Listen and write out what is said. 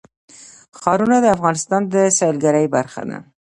ښارونه د افغانستان د سیلګرۍ برخه ده.